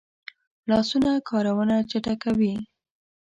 لاسونه کارونه چټکوي